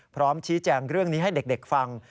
พร้อมชี้แจงเรื่องนี้ให้เด็กฟัง